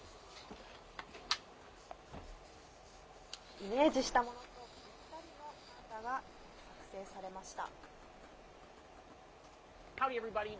イメージしたものとぴったりのパンダが作成されました。